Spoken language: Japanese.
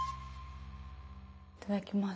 いただきます。